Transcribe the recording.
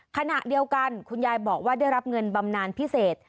ขณะเดียวกันคุณยายบอกว่าได้รับเงินบำนานพิเศษ